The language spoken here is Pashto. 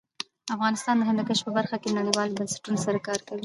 افغانستان د هندوکش په برخه کې نړیوالو بنسټونو سره کار کوي.